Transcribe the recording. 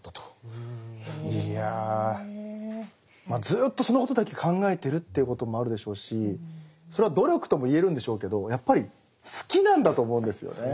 ずっとそのことだけ考えてるということもあるでしょうしそれは努力とも言えるんでしょうけどやっぱり好きなんだと思うんですよね